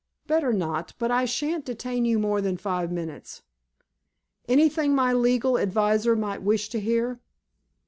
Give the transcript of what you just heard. "Better not, but I shan't detain you more than five minutes." "Anything my legal adviser might wish to hear?"